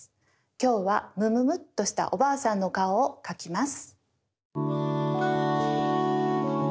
きょうはむむむっとしたおばあさんのかおをかきます。